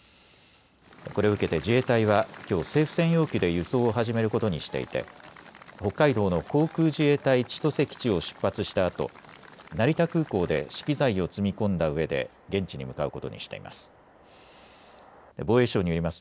これを受けて自衛隊はきょう政府専用機で輸送を始めることにしていて北海道の航空自衛隊千歳基地を出発したあと成田空港で資機材を積み込んだうえで現地に向かうことにしています。